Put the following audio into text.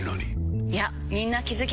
いやみんな気付き始めてます。